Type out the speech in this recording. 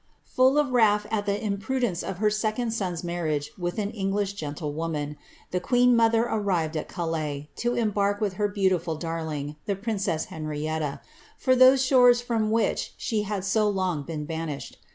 Full of wrath tt the imprudence of her second son's marriage with n English gentlewoman, the queen mother arrived at Calais, to embark rith her beautiful darling, the princess Henrietta, for those shores from rhich she had so long been banished.